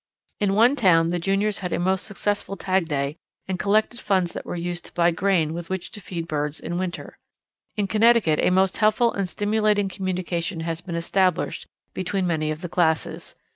In one town the juniors had a most successful tag day, and collected funds that were used to buy grain with which to feed birds in winter. In Connecticut a most helpful and stimulating communication has been established between many of the classes.